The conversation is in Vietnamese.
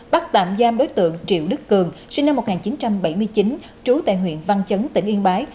bắt tạm giam đối tượng triệu đức cường sinh năm một nghìn chín trăm bảy mươi chín trú tại huyện văn chấn tỉnh yên bái